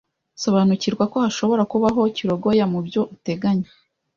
Sobanukirwa ko hashobora kubaho kirogoya mu byo uteganya